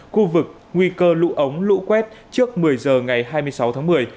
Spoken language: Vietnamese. khu vực nguy cơ lũ ống lũ quét trước một mươi giờ ngày hai mươi sáu tháng một mươi